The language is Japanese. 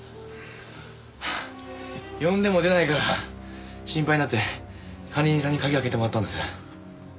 呼んでも出ないから心配になって管理人さんに鍵開けてもらったんです。